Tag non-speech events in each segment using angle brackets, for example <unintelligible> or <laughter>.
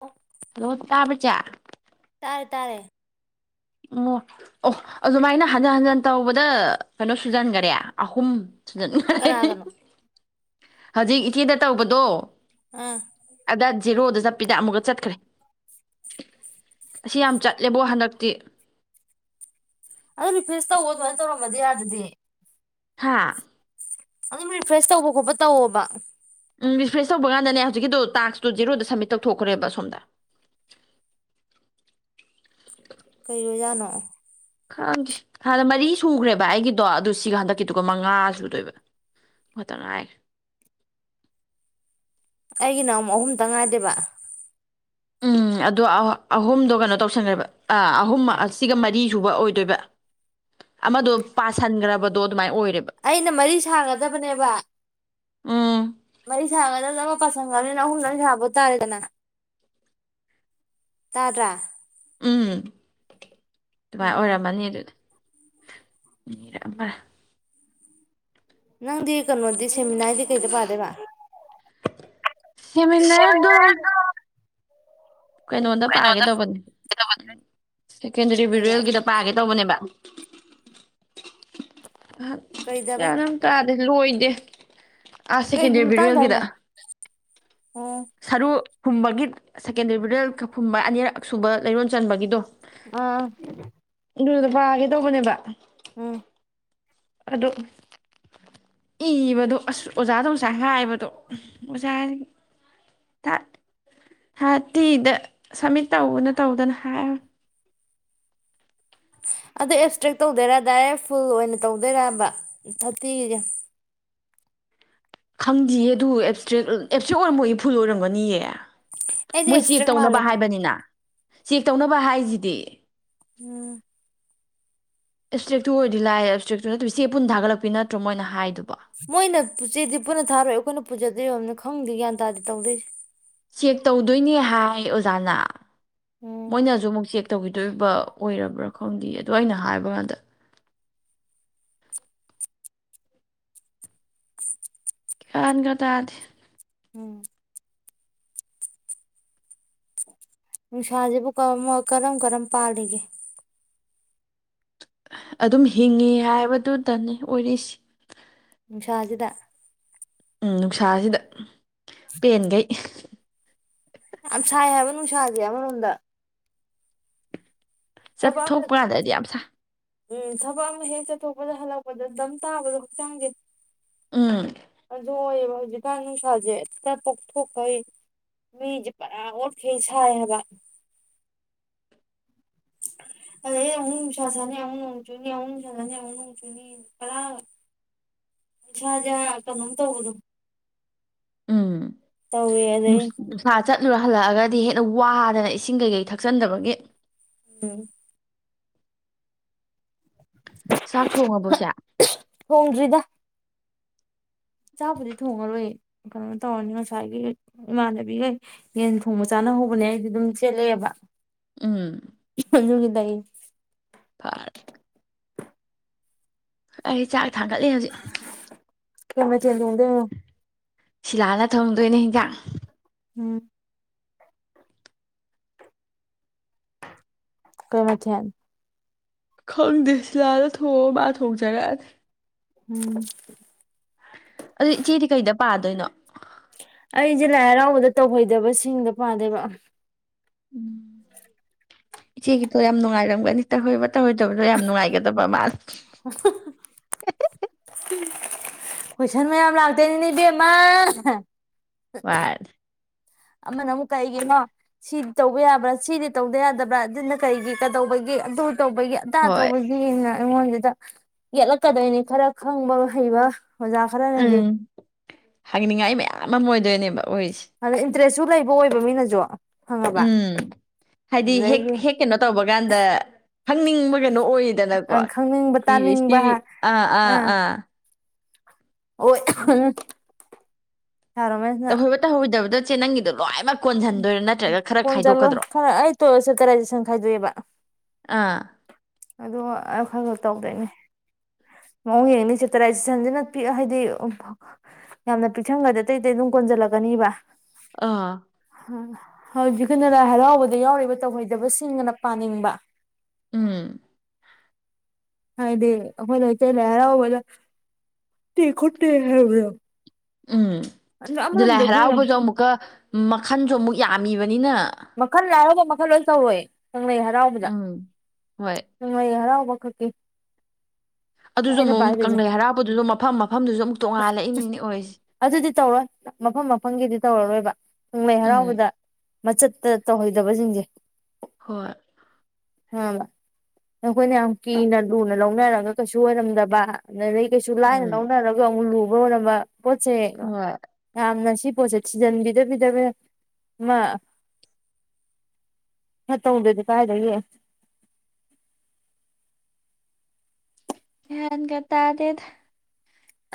ꯑꯣ ꯍꯜꯂꯣ ꯇꯥꯕ ꯆꯦ ꯇꯥꯔꯦ ꯇꯥꯔꯦ ꯑꯣ ꯑꯣ ꯑꯗꯨꯃꯥꯏꯅ ꯍꯟꯖꯟ ꯍꯟꯖꯤꯟ ꯇꯧꯕꯗ ꯀꯩꯅꯣ ꯁꯨꯖꯟꯒꯔꯦ ꯑꯍꯨꯝ ꯗ ꯉꯥꯏꯔꯦ ꯀꯅꯥꯒꯅꯣ ꯍꯧꯖꯤꯛ ꯏꯆꯦꯗ ꯇꯧꯕꯗꯣ ꯑꯥ ꯑꯗ ꯖꯦꯔꯣꯗ ꯆꯠꯄꯤꯗ ꯑꯃꯨꯛꯀ ꯆꯠꯈ꯭ꯔꯦ ꯑꯁꯤ ꯌꯥꯝ ꯆꯠꯂꯦꯕꯣ ꯍꯟꯗꯛꯇꯤ ꯑꯗꯨ ꯔꯤꯐ꯭ꯔꯦꯁ ꯇꯧꯋ ꯑꯗꯨꯃꯥꯏꯅ ꯇꯧꯔꯝꯃꯗꯤ ꯌꯥꯗꯗꯤ ꯍꯥꯥ ꯑꯗꯨꯝ ꯔꯤꯐ꯭ꯔꯦꯁ ꯇꯧꯕ ꯈꯣꯠꯄ ꯇꯧꯑꯣꯕ ꯎꯝ ꯔꯤꯐ꯭ꯔꯦꯁ ꯇꯧꯕ ꯀꯥꯟꯗꯅꯦ ꯍꯧꯖꯤꯛꯀꯤꯗꯨꯣ ꯇꯥꯛꯁꯇꯣ ꯖꯦꯔꯣꯗ ꯁꯕꯃꯤꯠ ꯇꯧꯊꯣꯛꯈ꯭ꯔꯦꯕ ꯁꯣꯝꯗ ꯀꯩꯒꯤ ꯑꯣꯏꯖꯠꯅꯣ ꯈꯪ ꯍꯥꯟꯅ ꯃꯔꯤ ꯁꯨꯈ꯭ꯔꯦꯕ ꯑꯩꯒꯤꯗꯣ ꯑꯗꯨ ꯁꯤꯒ ꯍꯟꯗꯛꯀꯤꯗꯨꯒ ꯃꯉꯥ ꯁꯨꯗꯣꯏꯕ ꯉꯥꯛꯇꯪ ꯍꯥꯏꯈ꯭ꯔꯦ ꯑꯩꯒꯤꯅ ꯑꯃꯨꯛ ꯑꯍꯨꯝꯇꯪ ꯉꯥꯏꯗꯣꯏꯕ ꯎꯝ ꯑꯗꯣ ꯑꯍꯨꯝꯗꯣ ꯀꯩꯅꯣ ꯇꯧꯁꯟꯈ꯭ꯔꯦꯕ ꯑ ꯑꯍꯨꯝ ꯑꯁꯤꯒ ꯃꯔꯤ ꯁꯨꯕ ꯑꯣꯏꯗꯣꯏꯕ ꯑꯃꯗꯣ ꯄꯥꯁꯟꯈ꯭ꯔꯕꯗꯣ ꯑꯗꯨꯃꯥꯏꯅ ꯑꯣꯏ ꯑꯩꯅ ꯃꯔꯤ ꯁꯥꯒꯗꯕꯅꯦꯕ ꯎꯝ ꯃꯔꯤ ꯁꯥꯒꯗꯕꯅ ꯑꯃ ꯄꯁꯪꯈ꯭ꯔꯕꯅꯤꯅ ꯑꯍꯨꯝꯗꯪ ꯁꯥꯕ ꯇꯥꯔꯦꯗꯅ ꯇꯥꯗ꯭ꯔꯥ ꯎꯝ ꯑꯗꯨꯃꯥꯏꯅ ꯎꯝ ꯑꯣꯏꯔꯝꯃꯅꯤ ꯑꯗꯨꯗꯤ ꯃꯤꯔꯝꯕꯔ ꯅꯪꯗꯤ ꯀꯩꯅꯣꯗꯤ ꯁꯦꯃꯤꯅꯥꯗꯤ ꯀꯩꯗ ꯄꯥꯗꯣꯏꯕ <inaudible> ꯍꯦꯃꯤꯟꯅꯔꯗꯨꯝ ꯀꯩꯅꯣꯗ ꯄꯥꯒꯦ ꯇꯧꯕꯅꯤ <inaudible> ꯁꯦꯀꯦꯟꯗꯔꯤ ꯀꯩꯗ ꯚꯤꯔꯋꯦꯜꯒꯤꯗ ꯄꯥꯒꯦ ꯇꯧꯕꯅꯦꯕ <inaudible> ꯑꯍꯝ ꯀꯩꯗꯕ ꯒ꯭ꯌꯥꯟ ꯑꯝ ꯇꯥ ꯗ ꯂꯣꯏꯗꯦ ꯑ ꯀꯩꯒꯤ ꯁꯦꯀꯦꯟꯦꯗꯔꯤ ꯃꯇꯥꯡꯗ ꯕꯤꯔꯌꯦꯜꯒꯤꯗ ꯍꯥꯏꯅꯣ ꯎꯝ ꯁꯔꯨ ꯐꯨꯝꯕꯒꯤ ꯁꯦꯀꯦꯟꯗꯔꯤ ꯕꯤꯔꯋꯦꯜ ꯈ ꯐꯨꯝꯕ ꯑꯅꯤꯔꯛ ꯁꯨꯕ ꯂꯩꯔꯣꯟ ꯆꯟꯕꯒꯤꯗꯣ ꯑꯥ ꯑꯗꯨꯗ ꯄꯥꯒꯦ ꯇꯧꯕꯅꯦꯕ ꯎꯝ ꯑꯗꯣ ꯏꯕꯗꯣ ꯑꯁ ꯑꯣꯖꯥꯗ ꯉꯁꯥꯏ ꯍꯥꯏꯕꯗꯣ ꯑꯣꯖꯥꯅꯦ ꯊꯥ ꯊꯥꯇꯤꯗ ꯁꯝꯃꯤꯠ ꯇꯧꯑꯅ ꯇꯧꯗꯅ ꯍꯥꯏꯔ ꯑꯗꯣ ꯑꯦꯞꯁꯇ꯭ꯔꯤꯛ ꯇꯧꯗꯣꯏꯔ ꯗꯥꯏꯔꯦꯛ ꯐꯨꯜ ꯑꯣꯏꯅ ꯇꯧꯗꯣꯏꯔꯕ ꯊꯥꯔꯇꯤꯒꯤꯒ ꯈꯪꯗꯤꯌꯦ ꯑꯗꯨ ꯑꯦꯞꯁꯇ꯭ꯔꯦꯛ ꯑꯦꯞꯁꯇ꯭ꯔꯦꯛ ꯑꯣꯏꯔꯝꯃꯣꯏꯌꯦ ꯐꯨꯜ ꯑꯣꯏꯔꯝꯒꯅꯤꯌꯦ ꯑꯩꯗꯤ ꯃꯣꯏ ꯆꯦꯛ ꯑꯦꯞꯁꯇ꯭ꯔꯦꯛ ꯇꯧꯅꯕ ꯃꯥꯜꯂꯦ ꯍꯥꯏꯕꯅꯤꯅ ꯆꯦꯛ ꯇꯧꯅꯕ ꯍꯥꯏꯖꯤꯗꯤ ꯎꯝ ꯑꯦꯞꯁꯇ꯭ꯔꯤꯛꯇꯨ ꯑꯣꯏꯔꯗꯤ ꯂꯥꯏꯔꯦ ꯑꯦꯞꯁꯇ꯭ꯔꯤꯛꯇꯨ ꯅꯠꯇꯦ ꯆꯦ ꯄꯨꯟ ꯊꯥꯒꯠꯂꯛꯄꯤ ꯅꯠꯇ꯭ꯔꯣ ꯃꯣꯏꯅ ꯍꯥꯏꯗꯣ ꯃꯣꯏꯅ ꯆꯦꯗꯤ ꯄꯨꯟꯅ ꯊꯥꯔꯛꯣꯏ ꯑꯩꯈꯣꯏꯅ ꯄꯨꯖꯗꯣꯏ ꯑꯣꯏꯔꯝꯅꯤ ꯈꯪꯗꯦ ꯒ꯭ꯌꯥꯟ ꯇꯥꯗꯦ ꯇꯧꯗꯣꯏꯖꯦ ꯆꯦꯛ ꯇꯧꯗꯣꯏꯅꯦ ꯍꯥꯏ ꯑꯣꯖꯥꯅ ꯎꯝ ꯃꯣꯏꯅ ꯖꯨ ꯑꯃꯨꯛ ꯆꯦꯛ ꯇꯧꯒꯤꯗꯣꯏꯕ ꯑꯣꯏꯔꯕ꯭ꯔꯥ ꯈꯪꯗꯦ ꯑꯗꯣ ꯑꯩꯅ ꯍꯥꯏꯕ ꯀꯥꯟꯗ ꯒ꯭ꯌꯥꯟꯒ ꯇꯥꯗ ꯎꯝ ꯅꯨꯡꯁꯥꯖꯤꯕꯨ ꯀꯝ ꯀꯔꯝ ꯀꯔꯝ ꯄꯥꯜꯂꯤꯒꯦ ꯑꯗꯨꯝ ꯍꯤꯡꯉꯤ ꯍꯥꯏꯕꯗꯨꯗꯅꯤ ꯑꯣꯏꯔꯤꯁꯤ ꯅꯨꯡꯁꯥꯖꯤꯗ ꯎꯝ ꯅꯨꯡꯁꯥꯖꯤꯗ ꯄꯦꯟꯒꯩ ꯌꯥꯝ ꯁꯥꯏ ꯍꯥꯏꯕ ꯅꯨꯡꯁꯥꯖꯦ ꯑꯃꯔꯣꯝꯗ ꯊꯕꯛ ꯑꯃ ꯆꯠꯊꯣꯛꯄ ꯀꯥꯟꯗꯗꯤ ꯌꯥꯝ ꯁꯥ ꯎꯝ ꯊꯕꯛ ꯑꯃ ꯍꯦꯛ ꯆꯠꯊꯣꯛꯄꯗ ꯍꯜꯂꯛꯄꯗ ꯗꯝ ꯇꯥꯕꯗꯣ ꯍꯛꯆꯥꯡꯖꯦ ꯎꯝ ꯑꯗꯨ ꯑꯣꯏꯌꯦꯕ ꯍꯧꯖꯤꯛꯀꯥꯟ ꯅꯨꯡꯁꯥꯖꯦ ꯇ ꯄꯣꯛꯊꯣꯛꯈꯩ ꯃꯤꯖꯦ ꯄꯨꯔꯥ ꯑꯣꯠꯈꯩ ꯁꯥꯏ ꯍꯥꯏꯕ ꯑꯗꯩ ꯑꯃꯨꯛ ꯅꯨꯡꯁꯥ ꯁꯥꯅꯤ ꯑꯃꯨꯛ ꯅꯣꯡ ꯆꯨꯅꯤ ꯑꯃꯨꯛ ꯅꯣꯡ ꯆꯨꯅꯤ ꯄꯔ ꯏꯁꯥꯖꯦ ꯀꯩꯅꯣꯝ ꯇꯧꯕꯗꯣ ꯎꯝ ꯇꯧꯋꯦ ꯑꯗꯩ ꯅꯨꯁ ꯅꯨꯡꯁꯥ ꯆꯠꯂꯨꯔ ꯍꯜ ꯍꯜꯂꯛꯑꯒꯗꯤ ꯍꯦꯟꯅ ꯋꯥꯗꯅ ꯏꯁꯤꯡ ꯀꯩꯀꯩ ꯊꯛꯆꯟꯗꯕꯒꯤ ꯎꯝ ꯆꯥꯛ ꯊꯣꯡꯉꯕꯣ ꯏꯆꯦ ꯆꯥꯛꯕꯨꯗꯤ ꯊꯣꯡꯉꯔꯣꯏꯌꯦ ꯀꯩꯅꯣ ꯇꯧꯔꯅꯤ ꯉꯁꯥꯏꯒꯤ ꯏꯃꯥꯟꯅꯕꯤꯒꯩ ꯌꯦꯟ ꯊꯣꯡꯕ ꯆꯥꯅꯍꯧꯕꯅꯦ ꯑꯩꯗꯤ ꯑꯗꯨꯝ ꯆꯦꯜꯂꯛꯑꯦꯕ ꯎꯝ ꯑꯍ ꯗꯨꯒꯤꯅꯤ ꯂꯩ ꯐꯔꯦ ꯑꯩ ꯆꯥꯛ ꯊꯥꯡꯒꯠꯂꯤ ꯍꯧꯖꯤꯛ ꯀꯩ ꯃꯊꯦꯜ ꯊꯣꯡꯗꯣꯏꯅꯣ ꯁꯤꯂꯥꯅ ꯊꯣꯡꯗꯣꯏꯅꯦ ꯍꯤꯟꯖꯥꯡ ꯎꯝ ꯀꯩ ꯃꯊꯦꯜ ꯈꯪꯗꯦ ꯁꯤꯜꯂꯥꯅ ꯊꯣꯡ ꯃꯥ ꯊꯣꯛꯖꯔꯛꯑꯅꯤ ꯎꯝ ꯑꯗꯨ ꯏꯆꯦꯗꯤ ꯀꯩꯗ ꯄꯥꯗꯣꯏꯅꯣ ꯑꯩꯁꯦ ꯂꯥꯏ ꯍꯔꯥꯎꯕꯗ ꯇꯧꯍꯩꯗꯕꯁꯤꯡꯗ ꯄꯥꯗꯣꯏꯕ ꯏꯆꯦꯒꯤꯇꯣ ꯌꯥꯝ ꯅꯨꯡꯉꯥꯏꯔꯝꯒꯅꯤ ꯇꯍꯣꯏꯕ ꯇꯧꯔꯣꯏꯗꯕꯗꯣ ꯌꯥꯝ ꯅꯨꯡꯉꯥꯏꯒꯗꯕ ꯃꯥꯜꯦ ꯍꯦ ꯍꯦ ꯍꯦ ꯍꯤ ꯀꯣꯏꯁꯟ ꯃꯌꯥꯝ ꯂꯥꯛꯇꯣꯏꯅꯤꯅꯦ ꯏꯕꯦꯝꯃꯥ ꯑꯍ ꯋꯥ <unintelligible> ꯑꯃꯅ ꯑꯃꯨꯛ ꯀꯩꯒꯤꯅꯣ ꯁꯤꯗꯤ ꯇꯧꯕ ꯌꯥꯕ꯭ꯔꯥ ꯁꯤꯗꯤ ꯇꯧꯗ ꯌꯥꯗꯕ꯭ꯔꯥ ꯑꯗꯨꯅ ꯀꯩꯒꯤ ꯀꯩꯗꯧꯕꯒꯤ ꯑꯗꯨ ꯇꯧꯕꯒꯤ ꯑꯗꯥ ꯍꯣꯏ ꯇꯧꯕꯒꯤ ꯅꯥ ꯑꯩꯉꯣꯟꯗꯨꯗ ꯌꯦꯠꯂꯛꯀꯗꯣꯏꯅꯤ ꯈꯔ ꯈꯪꯕ ꯍꯩꯕ ꯑꯣꯖꯥ ꯈꯔꯅꯗꯤ ꯎꯝ ꯍꯪꯅꯤꯡꯉꯥꯏ ꯃꯌꯥꯝ ꯑꯃ ꯑꯣꯏꯗꯣꯏꯅꯦꯕ ꯑꯣꯏꯁꯦ ꯇ꯭ꯔꯦꯁꯨ ꯂꯩꯕ ꯑꯣꯏꯕ ꯃꯤꯅꯁꯨ ꯈꯪꯉꯕ ꯎꯝ ꯍꯥꯏꯗꯤ ꯍꯦꯛ ꯑꯗꯨꯗꯩꯗꯤ ꯍꯦꯛ ꯀꯩꯅꯣ ꯇꯧꯕ ꯀꯥꯟꯗ ꯈꯪꯅꯤꯡꯕ ꯀꯩꯅꯣ ꯑꯣꯏꯗꯅꯀꯣ ꯑꯪ ꯈꯪꯅꯤꯡꯕ ꯄꯤ ꯑꯩꯆ ꯇꯥꯅꯤꯡꯕ ꯗꯤꯑꯥ ꯑꯥ ꯑꯥ ꯑꯣꯏ ꯑ ꯍꯨ ꯇꯍꯣꯏꯕ ꯇꯍꯣꯗꯕꯗ ꯆꯦ ꯅꯪꯒꯤꯗꯣ ꯂꯣꯏꯃꯛ ꯀꯣꯖꯜꯂꯣꯏ ꯈꯔ ꯑꯩ ꯇꯣ ꯆꯦꯞꯇꯔꯥꯏꯁꯦꯁꯟ ꯈꯥꯏꯗꯣꯛꯑꯦꯕ ꯑꯥ ꯑꯗꯣ ꯈꯔ ꯈꯔ ꯇꯧꯗꯣꯏꯅꯦ ꯃꯑꯣꯡ ꯌꯦꯡꯅꯤ ꯆꯦꯞꯇꯔꯥꯏꯖꯦꯁꯟꯁꯤꯅ ꯄꯤꯛ ꯍꯥꯏꯗꯤ ꯌꯥꯝꯅ ꯄꯤꯛꯁꯟꯒꯗꯤ ꯑꯇꯩ ꯑꯇꯩ ꯑꯗꯨꯝ ꯀꯣꯟꯁꯤꯜꯂꯛꯀꯅꯤꯕ ꯑꯥ ꯍꯧꯖꯤꯛꯀꯤꯅ ꯂꯥꯏ ꯍꯔꯥꯎꯕꯗ ꯌꯥꯎꯔꯤꯕ ꯇꯧꯍꯩꯗꯕꯁꯤꯡꯑꯅ ꯄꯥꯅꯤꯡꯕ ꯎꯝ ꯍꯥꯏꯗꯤ ꯑꯩꯈꯣꯏ ꯂꯩꯇꯦ ꯂꯩ ꯍꯥꯔꯥꯎꯕꯗ ꯈꯣꯠꯇꯦ ꯍꯥꯏꯕꯗꯣ ꯎꯝ ꯑꯗꯨ ꯂꯥꯏ ꯑꯃꯔꯣꯝꯗ ꯑꯩꯈꯣꯏꯅ ꯍꯔꯥꯎꯕꯁꯨ ꯑꯃꯨꯛꯀ ꯃꯈꯟꯁꯨ ꯑꯃꯨꯛ ꯌꯥꯝꯃꯤꯕ ꯃꯈꯟ ꯂꯥꯏꯍꯔꯥꯎꯕ ꯃꯈꯜ ꯂꯣꯏ ꯇꯧꯔꯣꯏ ꯀꯪꯂꯩ ꯍꯔꯥꯎꯕꯗ ꯎꯝ ꯍꯣꯏ ꯀꯪꯂꯩ ꯍꯔꯥꯎ ꯋꯥꯈꯛꯀꯤ ꯑꯗꯨꯁꯨ ꯑꯩꯅ ꯑꯃꯨꯛ ꯄꯥꯏꯗꯨꯖꯦ ꯀꯪꯂꯩ ꯍꯔꯥꯎꯕꯗꯨꯁꯨ ꯃꯐꯝ ꯃꯐꯝꯗꯨꯁꯨ ꯑꯃꯨꯛ ꯇꯣꯡꯉꯥꯜꯂꯛꯏꯅꯤꯅꯦ ꯑꯣꯏꯔꯤꯁꯦ ꯑꯗꯨꯗꯤ ꯇꯧꯔꯣꯏ ꯃꯐꯝ ꯃꯐꯝꯒꯤꯗꯤ ꯇꯧꯔꯔꯣꯏꯕ ꯀꯪꯡꯂꯩ ꯎꯝ ꯍꯔꯥꯎꯕꯗ ꯃꯆꯠꯇ ꯇꯧꯍꯩꯗꯕꯁꯤꯡꯁꯦ ꯍꯣꯏ ꯑ ꯅꯈꯣꯏꯅ ꯌꯥꯝ ꯀꯤꯅ ꯂꯨꯅ ꯂꯧꯅꯔꯒ ꯀꯩꯁꯨ ꯑꯣꯏꯔꯝꯗꯕ ꯅ ꯂꯩ ꯀꯩꯁꯨ ꯂꯥꯏꯅ ꯎꯝ ꯂꯧꯅꯔꯒ ꯑꯃꯨꯛ ꯂꯨ <unintelligible> ꯄꯣꯇꯁꯦ ꯍꯣꯏ ꯌꯥꯝꯅꯁꯤꯕ ꯄꯣꯠꯁꯦ ꯊꯤꯖꯟꯕꯤꯗꯕꯤꯗ ꯃꯥ ꯈꯇꯧꯗꯗꯤ ꯀꯥꯏꯗꯒꯤ ꯒ꯭ꯌꯟꯒ ꯇꯥꯗꯦꯗ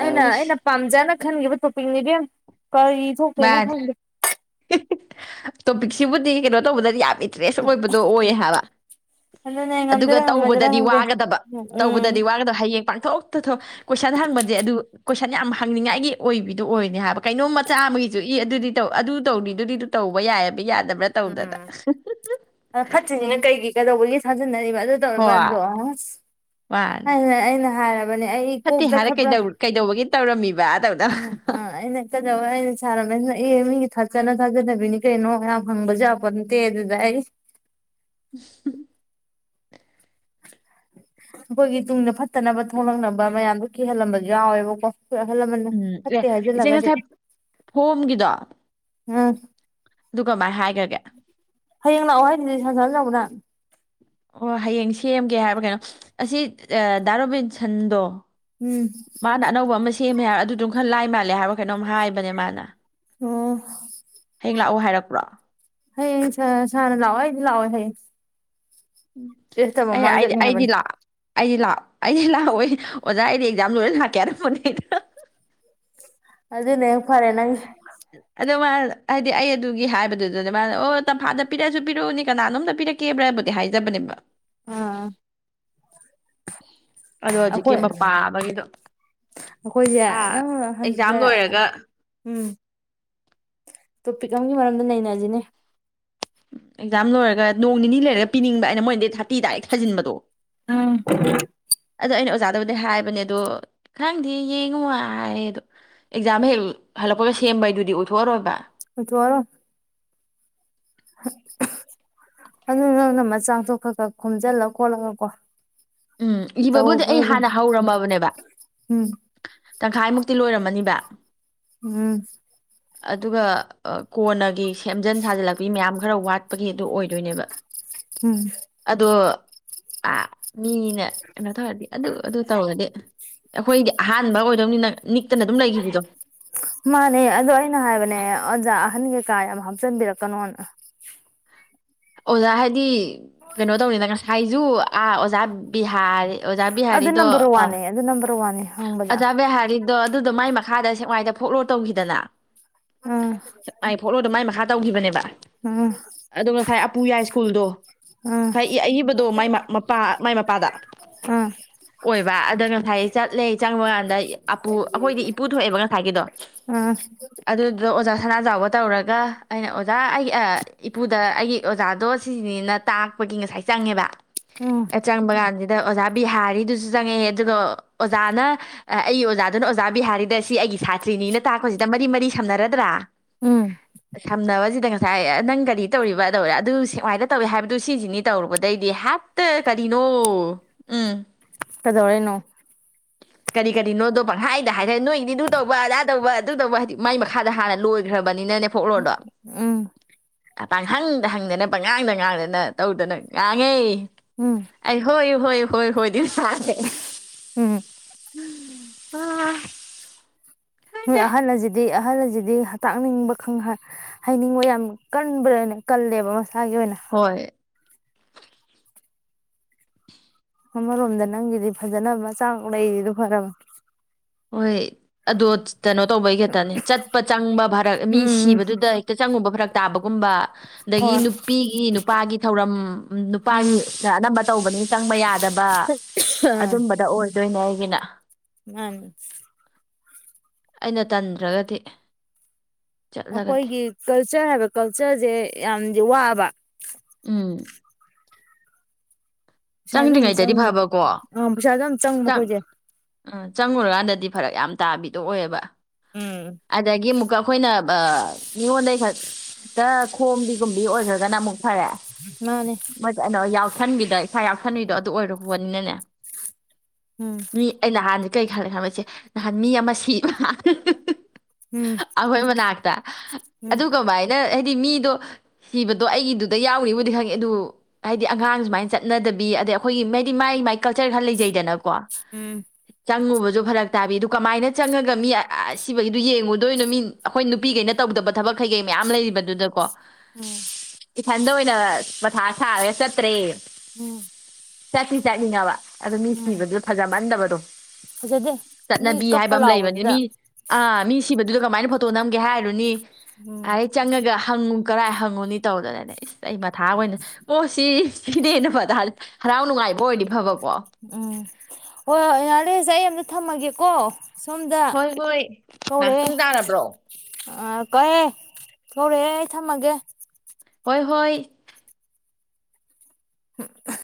ꯑꯩꯅ ꯑꯩꯅ ꯄꯝꯖꯅ ꯈꯟꯒꯤꯕ ꯇꯣꯄꯤꯛꯅꯤ ꯏꯕꯦꯝꯃ ꯀꯔꯤ ꯊꯣꯛꯇꯣꯏꯅꯣ ꯈꯪꯗꯦ ꯍꯤ ꯍꯤ ꯇꯣꯄꯤꯛꯁꯤꯕꯨꯗꯤ ꯀꯩꯅꯣ ꯇꯧꯕꯗꯗꯤ ꯌꯥꯝꯃꯤ ꯏꯟꯇꯔꯦꯁ ꯑꯣꯏꯕꯗꯣ ꯑꯣꯏ ꯍꯥꯏꯕ ꯑꯗꯨꯅꯦ ꯑꯗꯨꯒ ꯉꯝꯗꯣꯏꯔꯥ ꯉꯝꯃꯣꯏꯗꯣꯏꯔꯥ ꯇꯧꯕꯗꯗꯤ ꯈꯪꯗꯦ ꯋꯥꯒꯗꯕ ꯎꯝ ꯇꯧꯕꯗꯗꯤ ꯋꯥꯒꯗꯕ ꯍꯌꯦꯡ ꯄꯥꯛ ꯊꯣꯛꯇ ꯊꯣꯛ ꯀꯣꯏꯁꯟ ꯍꯪꯕꯁꯦ ꯑꯗꯨ ꯀꯣꯏꯁꯟ ꯌꯥꯝ ꯍꯪꯅꯤꯡꯉꯥꯏꯒꯤ ꯑꯣꯏꯕꯤꯗꯣ ꯑꯣꯏꯅꯦ ꯍꯥꯏꯕ ꯀꯩꯅꯣꯝ ꯃꯆꯥ ꯑꯃꯒꯤꯁꯨ ꯏ ꯑꯗꯨꯗꯤ ꯇꯧ ꯑꯗꯨ ꯇꯧꯔꯤꯗꯨꯗꯤ ꯑꯗꯨ ꯇꯧꯕ ꯌꯥꯏꯑꯕ ꯌꯥꯗꯕ꯭ꯔꯥ ꯇꯧꯗꯅ ꯎꯝ ꯑ ꯐꯠꯇ꯭ꯔꯖꯤꯅ ꯀꯩꯒꯤ ꯀꯩꯗꯧꯕꯒꯤ ꯁꯥꯖꯤꯟꯅꯩ ꯑꯗꯨ ꯍꯣꯏ ꯇꯧꯔꯀꯥꯟꯗꯣ ꯃꯥꯅꯦ ꯑꯩꯅ ꯑꯩꯅ ꯍ ꯐꯠꯇꯦ ꯍꯥꯏꯔ ꯀꯩꯗꯧ ꯀꯩꯗꯧꯕꯒꯤ ꯇꯧꯔꯝꯃꯤꯕ ꯇꯧꯗ ꯎꯝ ꯑ ꯑꯩꯅ ꯀꯗꯧꯕꯒꯤ ꯑꯩꯅ ꯁꯥꯔꯣꯃꯦꯁꯅ ꯃꯤ ꯊꯥꯖꯠꯅ ꯊꯥꯖꯅꯕꯤꯅꯤ ꯀꯩꯅꯣ ꯌꯥꯝ ꯍꯪꯕꯖꯨ ꯌꯥꯄꯣꯟꯅꯠꯇꯦ ꯑꯗꯨꯗ ꯑꯩ ꯑꯩꯈꯣꯏꯒꯤ ꯇꯨꯡꯗ ꯐꯠꯇꯅꯕ ꯊꯣꯛꯂꯛꯅꯕ ꯃꯌꯥꯝꯗꯣ ꯀꯤꯍꯜꯂꯝꯕꯁꯨ ꯌꯥꯎꯋꯦꯕꯀꯣ ꯑꯩꯈꯣꯏ ꯑꯍꯜ ꯂꯃꯟꯅ ꯎꯝ ꯑꯦ ꯐꯠꯇꯦ ꯏꯆꯦ ꯍꯥꯏꯖꯤꯜꯂꯒꯗꯤ ꯉꯁꯥꯏ ꯐꯣꯝꯒꯤꯗꯣ ꯎꯝ ꯑꯗꯨ ꯀꯃꯥꯏ ꯍꯥꯏꯈ꯭ꯔꯒꯦ ꯍꯌꯦꯡ ꯂꯥꯛꯑꯣ ꯍꯥꯏꯗꯨꯗꯤ ꯁꯥꯔ ꯁꯅꯥꯖꯥꯎꯕꯅ ꯑꯣ ꯍꯌꯦꯡ ꯁꯦꯝꯒꯦ ꯍꯥꯏꯕ ꯀꯩꯅꯣ ꯑꯁꯤ ꯑ ꯗꯥ ꯔꯣꯕꯤꯟꯁꯟꯗꯣ ꯎꯝ ꯃꯥꯅ ꯑꯅꯧꯕ ꯑꯃ ꯁꯦꯝꯃꯦ ꯍꯥꯏꯔ ꯑꯗꯨꯗꯨꯝ ꯈꯔ ꯂꯥꯏ ꯃꯥꯜꯂꯦ ꯍꯥꯏꯕ꯭ꯔꯣ ꯀꯩꯅꯣꯝ ꯍꯥꯏꯕꯅꯦ ꯃꯥꯅ ꯑꯣ ꯍꯌꯦꯡ ꯂꯥꯛꯑꯣ ꯍꯥꯏꯔꯛꯄ꯭ꯔꯣ ꯍꯌꯦꯡꯁꯦ ꯁꯔ ꯁꯥꯔꯅ ꯂꯑꯣ ꯑꯩꯖꯤ ꯖꯥꯛꯑꯣꯏ ꯍꯌꯦꯡ ꯗ꯭ꯔꯦꯁꯇꯕ ꯑꯩ ꯃꯥꯏ ꯑꯩ ꯆꯠꯅꯤ ꯑꯩꯗꯤ ꯍꯥꯏꯕꯅꯤ ꯂ ꯑꯩꯗꯤ ꯂꯥꯛ ꯑꯩꯗꯤ ꯂꯥꯛꯑꯣꯏ ꯑꯣꯖꯥ ꯑꯩꯗꯤ ꯑꯦꯛꯖꯥꯝ ꯂꯣꯏꯔꯒ ꯂꯥꯛꯀꯦ ꯍꯥꯏꯔꯝꯕꯅꯦ ꯍꯥ ꯍꯥ ꯑꯗꯨꯅꯦ ꯐꯔꯦ ꯅꯪ ꯑꯗ ꯃꯥ ꯍꯥꯏꯗꯤ ꯑꯩ ꯑꯗꯨꯒꯤ ꯍꯥꯏꯕꯗꯨꯗꯅꯦ ꯃꯥ ꯑꯣ ꯇꯝꯐꯥꯗ ꯄꯤꯔꯛꯑꯁꯨ ꯄꯤꯔꯛꯎꯅꯦ ꯀꯅꯥꯅꯣꯝꯗ ꯄꯤꯔꯛꯀꯦꯕ꯭ꯔꯥ ꯍꯥꯏꯕꯨꯗꯤ ꯍꯥꯏꯖꯕꯅꯦꯕ ꯑꯥ ꯑꯍꯝ ꯑꯗꯣ ꯍꯧꯖꯤꯛꯀꯤ ꯑꯩꯈꯣꯏ ꯃꯄꯥ ꯑꯃꯒꯤꯗꯣ ꯑꯩꯈꯣꯏꯁꯦ ꯑ ꯅꯪ ꯑꯦꯛꯖꯥꯝ ꯍꯟꯗ ꯂꯣꯏꯔꯒ ꯎꯝ ꯇꯣꯄꯤꯛ ꯑꯃꯒꯤ ꯃꯔꯝꯗ ꯅꯩꯅꯖꯤꯅꯦ ꯑꯦꯛꯖꯥꯝ ꯂꯣꯏꯔꯒ ꯅꯣꯡ ꯅꯤꯅꯤ ꯂꯩꯔꯒ ꯄꯤꯅꯤꯡꯕ ꯑꯩꯅ ꯃꯣꯏꯗꯤ ꯊꯥꯔꯇꯤꯗ ꯑꯩ ꯊꯥꯖꯤꯟꯕꯗꯣ ꯎꯝ ꯑꯗꯣ ꯑꯩꯅ ꯑꯣꯖꯥꯗꯕꯨꯗꯤ ꯍꯥꯏꯕꯅꯦ ꯑꯗꯣ ꯈꯪꯗꯦ ꯌꯦꯡꯉꯨ ꯍꯥꯏꯌꯦ ꯑꯗꯣ ꯑꯦꯛꯖꯥꯝ ꯍꯦꯛ ꯍꯜꯂꯛꯄꯒ ꯁꯦꯝꯕ ꯍꯥꯏꯗꯨꯗꯤ ꯑꯣꯏꯊꯣꯛꯑꯔꯣꯏꯕ ꯑꯣꯏꯊꯣꯛꯑꯔꯣꯏ ꯑꯗꯨ ꯅꯪꯅ ꯃꯆꯥꯛꯇꯣ ꯈꯔ ꯈꯔ ꯈꯣꯝꯖꯤꯜꯂ ꯈꯣꯠꯂꯒ ꯀꯣ ꯎꯝ ꯏꯕꯕꯨꯗꯤ ꯑꯩ ꯇꯧꯕꯗꯤ ꯍꯥꯟꯅ ꯍꯧꯔꯝꯃꯕꯅꯦꯕ ꯎꯝ ꯇꯪꯈꯥꯏꯃꯨꯛꯇꯤ ꯂꯣꯏꯔꯝꯃꯅꯤꯕ ꯎꯝ ꯑꯗꯨꯒ ꯀꯣꯟꯅꯒꯤ ꯁꯦꯝꯖꯤꯟ ꯁꯥꯖꯤꯜꯂꯛꯄꯒꯤ ꯃꯌꯥꯝ ꯈꯔ ꯋꯥꯠꯄꯒꯤ ꯑꯗꯨ ꯑꯣꯏꯗꯣꯏꯅꯦꯕ ꯎꯝ ꯑꯗꯣ ꯑꯥ ꯃꯤꯅꯥ ꯀꯩꯅꯣ ꯇꯧꯔꯗꯤ ꯑꯗꯨ ꯑꯗꯨ ꯇꯧꯔꯗꯤ ꯑꯩꯈꯣꯏꯒꯤ ꯑꯍꯥꯟꯕ ꯑꯣꯏꯗꯣꯏꯅꯤꯅ ꯅꯤꯛꯇꯅ ꯑꯗꯨꯝ ꯂꯩꯈꯤꯕꯗꯣ ꯃꯥꯅꯦ ꯑꯗꯣ ꯑꯩꯅ ꯍꯥꯏꯕꯅꯦ ꯑꯣꯖꯥ ꯑꯍꯟ ꯀꯩꯀꯥ ꯌꯥꯝ ꯍꯥꯞꯆꯤꯟꯕꯤꯔꯛꯀꯅꯣꯅ ꯑꯣꯖꯥ ꯍꯥꯏꯗꯤ ꯀꯩꯅꯣ ꯇꯧꯅꯤꯅ ꯉꯁꯥꯏꯖꯨ ꯑ ꯑꯣꯖꯥ ꯕꯤꯍꯥꯔ ꯑꯗꯨ ꯅꯝꯕꯔ ꯋꯥꯟꯅꯦ ꯑꯗꯨ ꯅꯝꯕꯔ ꯋꯥꯟꯅꯦ ꯍꯪꯕꯗꯥ ꯑꯗꯣ ꯑꯗꯨꯗꯣ ꯃꯥꯏ ꯃꯈꯥꯗ ꯁꯦꯡꯋꯥꯏꯗ ꯐꯣꯛꯂꯣꯔ ꯇꯧꯈꯤꯗꯅ ꯎꯝ ꯑꯩꯥꯏ ꯐꯣꯛꯂꯣꯔ ꯃꯥꯏ ꯃꯈꯥ ꯇꯧꯈꯤꯕꯅꯦꯕ ꯎꯝ ꯑꯗꯣ ꯉꯁꯥꯏ ꯄꯨ ꯌꯥꯏ ꯁ꯭ꯀꯨꯜꯗꯣ ꯎꯝ ꯉꯁꯥꯏ ꯑꯏꯕꯗꯣ ꯃꯥꯏ ꯃꯄꯥ ꯃꯥꯏ ꯃꯄꯥꯗ ꯑꯣꯏꯕ ꯑꯗ ꯉꯁꯥꯏ ꯂꯩ ꯆꯪꯕ ꯀꯥꯟꯗ ꯑꯄꯨ ꯑꯩꯈꯣꯏꯗꯤ ꯏꯄꯨ ꯊꯣꯛꯑꯦꯕ ꯉꯁꯥꯏꯒꯤꯗꯣ ꯎꯝ ꯎꯝ ꯑꯗꯨꯗꯣ ꯑꯣꯖꯥ ꯁꯅꯥꯖꯥꯎꯕ ꯇꯧꯔꯒ ꯑꯩꯅ ꯑꯣꯖꯥ ꯑꯩ ꯏꯄꯨꯗ ꯑꯩꯒꯤ ꯑꯣꯖꯥꯗꯣ ꯁꯤꯁꯤꯅꯤꯅ ꯇꯥꯛꯄꯒꯤ ꯉꯁꯥꯏ ꯆꯪꯉꯦꯕ ꯎꯝ ꯑꯦ ꯆꯪꯕꯀꯥꯟ ꯑꯗ ꯑꯣꯖꯥ ꯕꯤꯍꯥꯔꯤꯗꯨꯁꯨ ꯆꯪꯉꯛꯑꯦ ꯑꯗꯨꯒ ꯑꯣꯖꯥꯅ ꯑꯩꯒꯤ ꯑꯣꯖꯥꯗꯨꯅ ꯑꯣꯖꯥ ꯕꯤꯍꯥꯔꯤꯗ ꯁꯤ ꯑꯩꯒꯤ ꯁꯥꯇ꯭ꯔꯤꯅꯤꯅ ꯇꯥꯛꯄꯁꯤꯗ ꯃꯔꯤ ꯃꯔꯤ ꯁꯝꯅꯔꯗ꯭ꯔꯥ ꯎꯝ ꯁꯝꯅꯕꯖꯤꯗ ꯉꯁꯥꯏ ꯅꯪ ꯀꯔꯤ ꯇꯧꯔꯤꯕ ꯇꯧꯔꯤ ꯑꯗꯨ ꯁꯦꯛꯃꯥꯏꯅ ꯇꯧꯏꯤ ꯍꯥꯏꯕꯗꯨ ꯁꯤꯁꯤꯅꯤ ꯇꯧꯔꯨꯕꯗꯩꯗꯤ ꯍꯦꯛꯇ ꯀꯔꯤꯅꯣ ꯎꯝ ꯀꯗꯧꯔꯩꯅꯣ ꯀꯔꯤ ꯀꯔꯤꯅꯣꯗꯣ ꯄꯪꯈꯥꯏꯗ ꯍꯥꯏꯔꯦ ꯅꯣꯏꯗꯤ ꯑꯗꯨ ꯇꯧꯕ ꯑꯗꯥ ꯇꯧꯕ ꯑꯗꯨ ꯇꯧꯕ ꯍꯥꯏꯗꯤ ꯃꯥꯏ ꯃꯈꯥꯗ ꯍꯥꯟꯅ ꯂꯣꯏꯈ꯭ꯔꯕ ꯕꯅꯤꯅꯅꯦ ꯐꯣꯛꯂꯣꯔꯗꯣ ꯎꯝ ꯄꯍꯪꯗ ꯍꯪꯗꯅ ꯄꯉꯥꯡꯗ ꯉꯥꯡꯗꯅ ꯇꯧꯗꯅ ꯉꯥꯡꯉꯦ ꯎꯝ ꯑꯩ ꯍꯣꯏ ꯍꯣꯏ ꯍꯣꯏ ꯍꯣꯏ ꯐꯔꯦ <unintelligible> ꯎꯝ ꯎꯝ ꯑ ꯍꯣꯏ ꯑꯍꯜ ꯑꯖꯤꯗꯤ ꯑꯍꯜ ꯑꯁꯤꯗꯤ ꯇꯥꯛꯅꯤꯡꯕ ꯈꯪꯍ ꯍꯥꯏꯩꯅꯤꯡꯕ ꯌꯥꯝ ꯀꯟꯕ꯭ꯔꯅꯦ ꯀꯜꯂꯦꯕ ꯃꯁꯥꯒꯤ ꯑꯣꯏꯅ ꯍꯣꯏ ꯑꯃꯔꯣꯝꯗ ꯅꯪꯒꯤꯗꯤ ꯐꯖꯅ ꯃꯆꯥꯡ ꯂꯩꯔꯤꯗꯨ ꯐꯔꯕꯅꯦ ꯍꯣꯏ ꯑꯗꯣ ꯀꯩꯅꯣ ꯇꯧꯕꯩ ꯈꯛꯇꯅꯦ ꯆꯠꯄ ꯆꯪꯕ ꯐꯔꯛ ꯃꯤ ꯎꯝ ꯁꯤꯕꯗꯨꯗ ꯍꯦꯛꯇ ꯆꯪꯉꯨꯕ ꯐꯔꯛ ꯇꯥꯕꯒꯨꯝꯕ ꯑꯗꯒꯤ ꯍꯣꯏ ꯅꯨꯄꯤꯒꯤ ꯅꯨꯄꯥꯒꯤ ꯊꯧꯔꯝ ꯅꯨꯄꯥꯒꯤ ꯎꯝ ꯑꯅꯝꯕ ꯇꯧꯕꯅꯤꯅ ꯆꯪꯕ ꯌꯥꯗꯕ ꯑꯗꯨꯝꯕꯗ ꯑꯣꯏ ꯑꯗꯨꯏꯅꯦ ꯑꯩꯒꯤꯅ ꯃꯥꯅꯤ ꯑꯩꯅ ꯇꯟꯗ꯭ꯔꯒꯗꯤ ꯆꯠꯂꯒꯗꯤ ꯑꯩꯈꯣꯏꯒꯤ ꯀꯜ ꯀꯜꯆꯔ ꯍꯥꯏꯕ ꯀꯜꯆꯔꯁꯦ ꯌꯥꯝꯗꯤ ꯋꯥꯕ ꯎꯝ ꯄꯩꯁꯥꯁꯨ ꯌꯥꯝ ꯆꯪꯗ꯭ꯔꯤꯉꯩꯗꯗꯤ ꯆꯪꯕ ꯐꯕꯀꯣ ꯑ ꯄꯩꯁꯥꯁꯨ ꯌꯥꯝ ꯆꯪꯕ ꯆꯪ ꯑꯩꯈꯣꯏꯁꯦ ꯑ ꯆꯪꯉꯨꯔꯀꯥꯟꯗꯗꯤ ꯐꯔꯛ ꯌꯥꯝ ꯇꯥꯕꯤꯗꯣ ꯑꯣꯏꯌꯦꯕ ꯎꯝ ꯑꯗꯒꯤ ꯑꯃꯨꯛꯀ ꯑꯩꯈꯣꯏꯅ ꯑ ꯃꯤꯉꯣꯟꯗꯒꯤ ꯈꯛꯇ ꯈꯣꯝꯕꯤꯒꯨꯝꯕꯤ ꯑꯣꯏꯈ꯭ꯔꯒꯅ ꯑꯃꯨꯛ ꯐꯔꯦ ꯃꯥꯅꯦ ꯃꯩꯠ ꯑꯩꯅ ꯌꯥꯎ <unintelligible> ꯐꯟꯕꯤꯗꯥꯏ <unintelligible> ꯏꯁꯥ ꯌꯥꯎꯁꯟꯕꯤꯗꯣ ꯑꯗꯨ ꯑꯣꯏꯔꯨ ꯄꯣꯠꯅꯤꯅꯅꯦ ꯎꯝ ꯃꯤ ꯑꯩ ꯅꯍꯥꯟꯗꯤ ꯀꯩ ꯈꯜꯂꯦ ꯍꯥꯏꯕ ꯏꯆꯦ ꯅꯍꯥꯟ ꯃꯤ ꯑꯃ ꯁꯤꯕ ꯍꯤ ꯍꯤ ꯍꯤ ꯎꯝ ꯑꯈꯣꯏ ꯃꯅꯥꯛ ꯎꯝ ꯑꯗꯨꯀꯃꯥꯏ ꯅ ꯍꯥꯏꯗꯤ ꯃꯤꯗꯣ ꯁꯤꯕꯗꯣ ꯑꯩꯒꯤꯗꯨꯗ ꯌꯥꯎꯋꯤꯕꯨꯗꯤ ꯈꯪꯉꯦ ꯑꯗꯨ ꯍꯥꯏꯗꯤ ꯑꯉꯥꯡ ꯁꯨꯃꯥꯏꯅ ꯆꯠ ꯆꯠꯅꯗꯕꯤ ꯑꯗꯩ ꯑꯩꯈꯣꯏꯒꯤ ꯍꯥꯢꯗꯤ ꯃꯥꯏ ꯃꯥꯏ ꯀꯜꯆꯔ ꯈꯔ ꯂꯩꯖꯩꯗꯅꯀꯣ ꯎꯝ ꯆꯪꯉꯨꯕꯁꯨ ꯐꯔꯛ ꯇꯥꯕꯤ ꯑꯗꯨ ꯀꯃꯥꯏꯅ ꯆꯪꯉꯥꯒ ꯃꯤ ꯑꯁꯤꯕꯒꯤꯗꯨ ꯌꯦꯡꯉꯨꯗꯣꯏꯅꯣ ꯃꯤ ꯑꯩꯈꯣꯏ ꯅꯨꯄꯤꯒꯩꯅ ꯇꯧꯗꯕ ꯊꯕꯛ ꯀꯩꯀꯩ ꯃꯌꯥꯝ ꯂꯩꯔꯤꯕꯗꯨꯗꯀꯣ ꯎꯝ ꯏꯊꯟꯗ ꯑꯣꯏꯅ ꯃꯊꯥ ꯁꯥꯔꯦ ꯆꯠꯇ꯭ꯔꯦ ꯎꯝ ꯆꯠꯇꯤ ꯆꯠꯅꯤꯡꯉꯥꯕ ꯑꯗꯣ ꯃꯤ ꯎꯝ ꯁꯤꯕꯗꯨ ꯐꯖꯃꯟꯗꯕ ꯇꯣ ꯐꯖꯗꯦ ꯃꯤ ꯆꯠꯅꯕꯤ ꯀꯞꯄ ꯍꯥꯏꯕ ꯑꯃꯥ ꯂꯩꯕꯅꯤꯅ ꯂꯥꯎꯕꯗꯨꯗ ꯃꯤ ꯑꯥ ꯃꯤ ꯁꯤꯕꯗꯨꯗ ꯀꯃꯥꯏꯅ ꯐꯣꯇꯣ ꯅꯝꯒꯦ ꯍꯥꯏꯔꯨꯅꯤ ꯎꯝ ꯑꯥꯢ ꯆꯪꯉꯥꯒ ꯍꯪꯉꯨ ꯀꯔꯥꯏ ꯍꯪꯉꯨꯅꯤ ꯇꯧꯗꯅꯅꯦ ꯢꯁ ꯑꯩ ꯃꯊꯥ ꯑꯣꯏꯅ ꯑꯣ ꯁꯤꯁ ꯏꯟꯗꯦ ꯢꯅꯥ ꯐꯠ <unintelligible> ꯍꯔꯥꯎ ꯅꯨꯡꯉꯥꯏꯕ ꯑꯣꯏꯗꯤ ꯐꯕ ꯎꯝ ꯍꯣꯏ ꯍꯣꯏ ꯌꯥꯔꯦꯁꯦ ꯑꯩ ꯑꯝꯇ ꯊꯝꯃꯒꯦꯀꯣ ꯁꯣꯝꯗ ꯍꯣꯏ ꯍꯣꯏ ꯃꯥ ꯄꯨꯡ ꯇꯥꯔꯕ꯭ꯔꯣ ꯑ ꯀꯣꯌꯦ ꯊꯣꯛꯔꯛꯑꯦ ꯑꯩ ꯊꯝꯃꯒꯦ ꯍꯣꯏ ꯍꯣꯏ ꯍꯝ ꯍꯥ